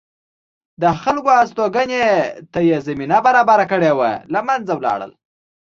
د خلکو هستوګنې ته یې زمینه برابره کړې وه له منځه لاړل